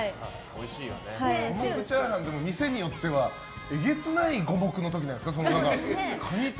五目チャーハンも店によってはえげつない五目の時ないですか？